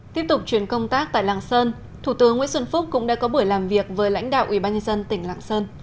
tiếp tục chuyển công tác tại lạng sơn thủ tướng nguyễn xuân phúc cũng đã có buổi làm việc với lãnh đạo ubnd tỉnh lạng sơn